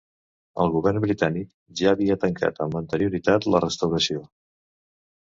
El govern britànic ja havia tancat amb anterioritat la restauració.